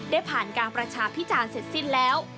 ได้ผ่านการประชาพิจารณ์เสร็จสิ้นแล้ว